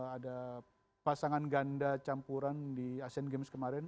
ada pasangan ganda campuran di asean games kemarin